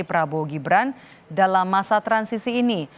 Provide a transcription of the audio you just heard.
prabowo gibran dalam masa transisi ini